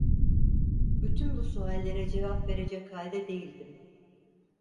Bütün bu suallere cevap verecek halde değildim.